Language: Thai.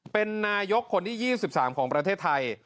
เป็นนายกคนที่๒๓ของประเทศไทย